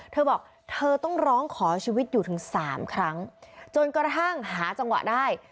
เธอบอกเธอต้องร้องขอชีวิตอยู่ถึงสามครั้งจนกระทั่งหาจังหวะได้